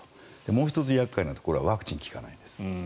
もう１つ、厄介なところはワクチンが効かないんです。